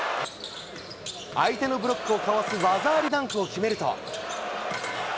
相手のブロックをかわす技ありダンクを決めると。